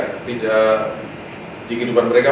tidak di kehidupan mereka